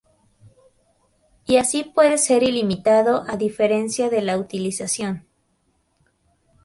Y así puede ser ilimitado; a diferencia de la utilización.